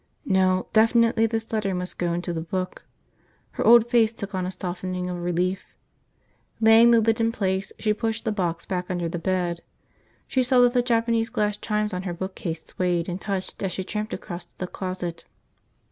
No, definitely this letter must go into the book. Her old face took on a softening of relief. Laying the lid in place, she pushed the box back under the bed. She saw that the Japanese glass chimes on her bookcase swayed and touched as she tramped across to the closet.